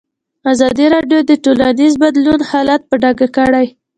ازادي راډیو د ټولنیز بدلون حالت په ډاګه کړی.